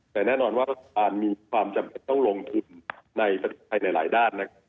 แต่แน่นอนว่ารัฐบาลมีความจำเป็นต้องลงทุนในภายในหลายด้านนะครับ